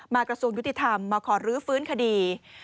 กระทรวงยุติธรรมมาขอรื้อฟื้นคดี